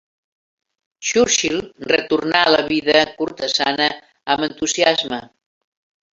Churchill retornà a la vida cortesana amb entusiasme.